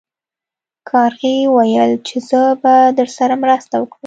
کارغې وویل چې زه به درسره مرسته وکړم.